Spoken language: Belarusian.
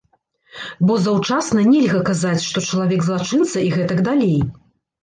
Бо заўчасна нельга казаць, што чалавек злачынца і гэтак далей.